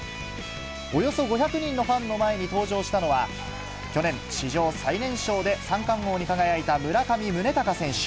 およそ５００人のファンの前に登場したのは、去年、史上最年少で三冠王に輝いた村上宗隆選手。